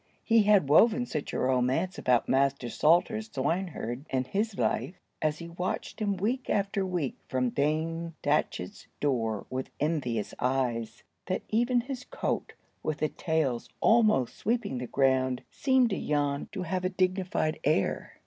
He had woven such a romance about Master Salter's swineherd and his life, as he watched him week after week from Dame Datchett's door with envious eyes, that even his coat, with the tails almost sweeping the ground, seemed to Jan to have a dignified air.